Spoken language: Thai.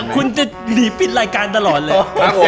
คุณจะหนีปิดรายการตลอดเลย